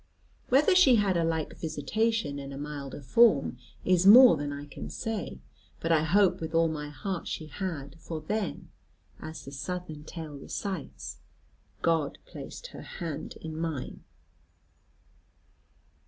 Whether she had a like visitation in a milder form, is more than I can say; but I hope with all my heart she had; for then, as the Southern tale recites, God placed her hand in mine.